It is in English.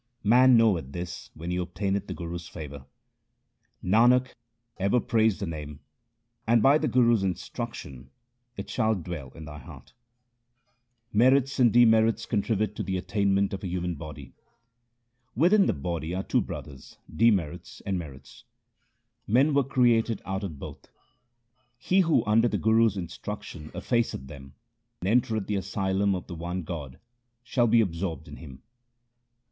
Man knoweth this when he obtaineth the Guru's favour. Nanak, ever praise the Name, and by the Guru's instruc tion it shall dwell in thy heart. Merits and demerits contribute to the attainment of a human body :— Within the body are two brothers, demerits and merits ; 1 In the company of the sainis. HYMNS OF GURU AMAR DAS 179 Men were created out of both. He who under the Guru's instruction effaceth them and entereth the asylum of the one God, shall be absorbed in Him.